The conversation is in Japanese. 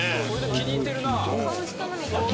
気に入ってるな。